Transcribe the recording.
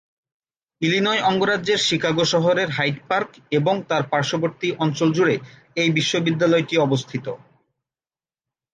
Illinois অঙ্গরাজ্যের Chicago শহরের Hyde Park এবং তার পাশ্ববর্তী অঞ্চল জুড়ে এই বিশ্ববিদ্যালয়টি অবস্থিত।